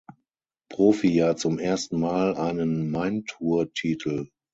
Profijahr zum ersten Mal einen Main-Tour-Titel.